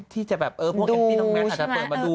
ที่แบบกี้อันนี้พวกแอนตี้อาจเปิดมาดู